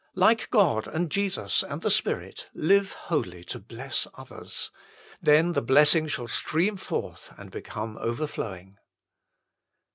Like God and Jesus and the Spirit, live wholly to bless others. Then the blessing shall stream forth and become overflowing.